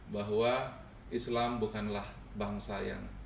bahwa islam bukanlah bangsa yang